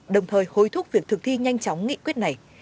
đồng thời hối thúc việc thực thi nhanh chóng nghị quyết này